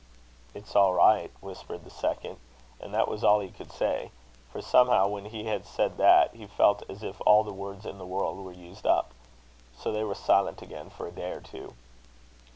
"'It's all right,' whispered the second; and that was all he could say; for somehow when he had said that, he felt as if all the words in the world were used up. So they were silent again for a day or two.